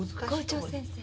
校長先生。